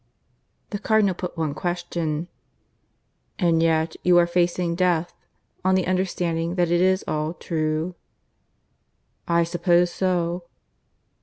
The Cardinal put one question. "And yet you are facing death on the understanding that it is all true?" "I suppose so."